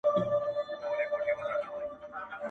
او چي مات یې له غمونو سړي یو په یو ورکیږي -